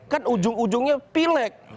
kan ujung ujungnya pileg